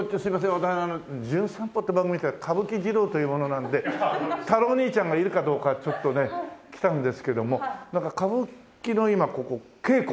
私『じゅん散歩』って番組で来た歌舞伎ジロウという者なんで太郎お兄ちゃんがいるかどうかちょっとね来たんですけどもなんか歌舞伎の今ここ稽古？